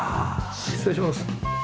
失礼します。